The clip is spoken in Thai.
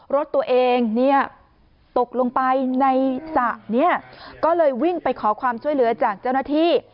รถตัวเองเนี่ยตกลงไปในสระเนี่ยก็เลยวิ่งไปขอความช่วยเหลือจากเจ้าหน้าที่